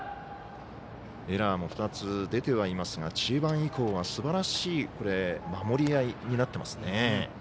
エラーも２つ出てはいますが中盤以降は、すばらしい守り合いになっていますね。